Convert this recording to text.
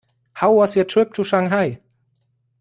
How was your trip to Shanghai?